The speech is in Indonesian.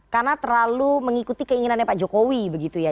karena terlalu mengikuti keinginannya pak jokowi begitu ya